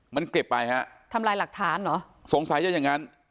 มันเก็บไปฮะทำลายหลักฐานเหรอสงสัยจะอย่างงั้น